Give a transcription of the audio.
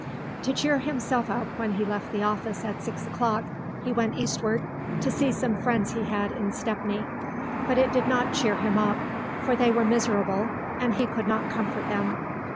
To cheer himself up when he left the office at six o'clock, he went eastward, to see some friends he had in Stepney. But it did not cheer him up, for they were miserable, and he could not comfort them.